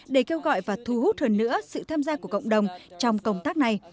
để kêu gọi và thu hút hơn nữa sự tham gia của cộng đồng trong công tác này